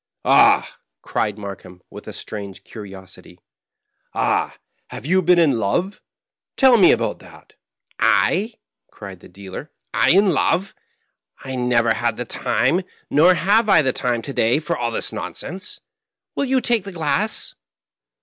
"Ahl" cried Markheim, with a strange curiosity, *^ Ah, have you been in love ? Tell me about that." " I," cried the dealer —" I in love I I never had the Digitized by VjOOQIC 66 MARKHEJM. tim6, nor have I the time today for all this nonsense. Will you take the glass